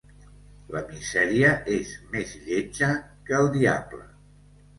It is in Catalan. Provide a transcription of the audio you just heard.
La misèria és més lletja que el diable.